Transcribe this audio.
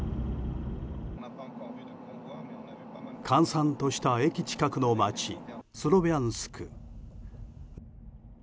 閑散とした駅近くの街スロビャンスク。